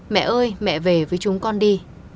mẹ ơi mẹ về với chúng con đi